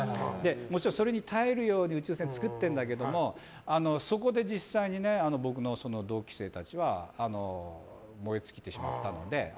もちろんそれに耐えるように宇宙船作ってるんだけどそこで実際に僕の同期生たちは燃え尽きてしまったので。